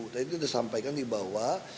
tadi kita sampaikan di bawah